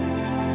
ya makasih ya